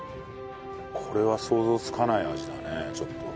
これは想像つかない味だねちょっと。